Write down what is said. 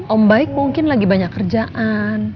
om baik mungkin lagi banyak kerjaan